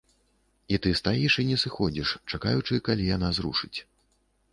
І ты стаіш і не сыходзіш, чакаючы, калі яна зрушыць.